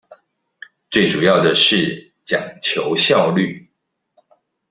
最主要的是講求效率